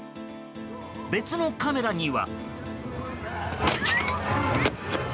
別のカメラには。